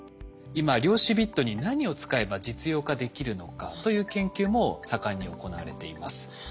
今量子ビットに何を使えば実用化できるのかという研究も盛んに行われています。